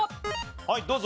はいどうぞ。